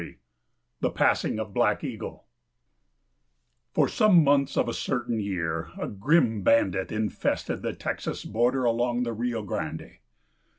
IX THE PASSING OF BLACK EAGLE For some months of a certain year a grim bandit infested the Texas border along the Rio Grande.